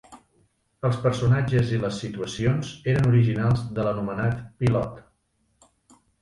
Els personatges i les situacions eren originals de l'anomenat pilot.